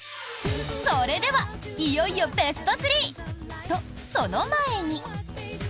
それではいよいよベスト３！と、その前に。